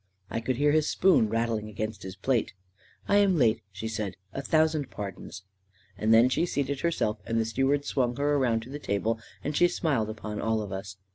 I could hear his spoon rattling against his plate. " I am late !" she said. " A thousand pardons I " And then she seated herself, and the steward swung her around to the table, and she smiled upon all of us.